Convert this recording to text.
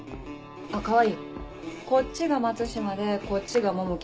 あっ川合こっちが松島でこっちが桃木。